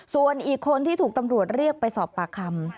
ส่วนอีกคนที่ถูกตำรวจเรียกไปสอบปากคำ